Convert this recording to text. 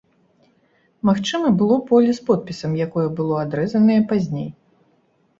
Магчыма, было поле з подпісам, якое было адрэзаная пазней.